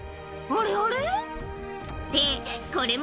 あれあれ？